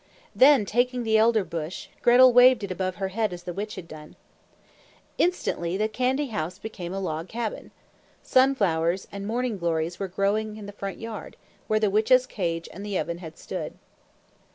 Then, taking the Elder Bush, Gretel waved it above her head as the witch had done. Instantly the candy house became a log cabin. Sunflowers and morning glories were growing in the front yard, where the witch's cage and the oven had stood.